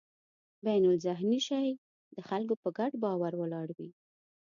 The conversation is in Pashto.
بینالذهني شی د خلکو په ګډ باور ولاړ وي.